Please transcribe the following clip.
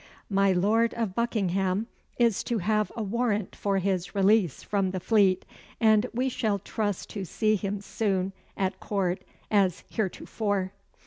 My Lord of Buckingham is to have a warrant for his release from the Fleet, and we shall trust to see him soon at Court as heretofore."